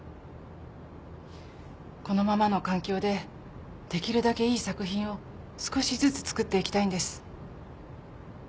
このままの環境でできるだけいい作品を少しずつ作っていきたいんです